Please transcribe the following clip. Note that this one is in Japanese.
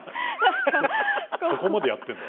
そこまでやってんだ。